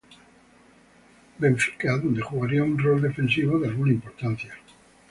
Benfica, donde jugaría un rol defensivo de alguna importancia.